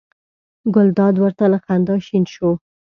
ګلداد ور ته له خندا شین شو.